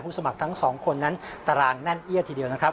สมัครทั้งสองคนนั้นตารางแน่นเอี้ยทีเดียวนะครับ